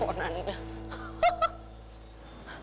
aku gak bisa ngelupain kamu